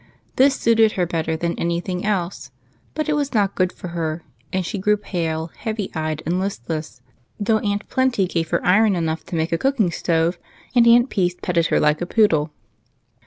This suited her better than any thing else, but it was not good for her, and she grew pale, heavy eyed, and listless, though Aunt Plenty gave her iron enough to make a cooking stove, and Aunt Peace petted her like a poodle.